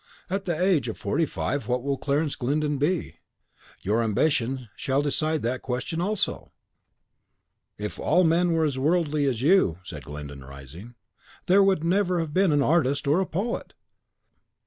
At the age of forty five what will be Clarence Glyndon? Your ambition shall decide that question also!" "If all men were as worldly as you," said Glyndon, rising, "there would never have been an artist or a poet!"